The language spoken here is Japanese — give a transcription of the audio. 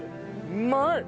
うまい。